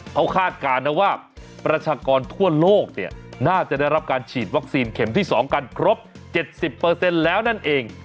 เขาคาดการณ์นะว่าประชากรทั่วโลกเนี่ยน่าจะได้รับการฉีดวัคซีนเข็มที่๒กันครบ๗๐แล้วนั่นเอง